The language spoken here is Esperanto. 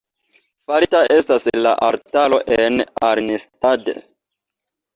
Farita estas la altaro en Arnstadt.